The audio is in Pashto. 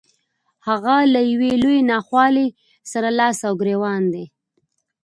هغه له يوې لويې ناخوالې سره لاس او ګرېوان دی.